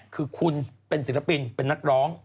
คือคุณเป็นศิลปินเป็นนักร้อง